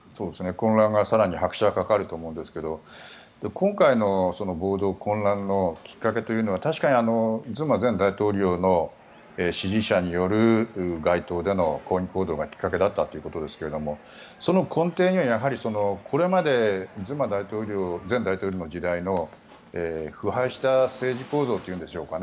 混乱に更に拍車がかかると思うんですが今回の暴動、混乱のきっかけというのは確かにズマ前大統領の支持者による街頭での抗議行動がきっかけだったということですがその根底には、やはりこれまでズマ前大統領の時代の腐敗した政治構造というんでしょうかね。